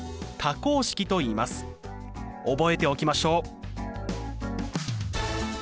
覚えておきましょう。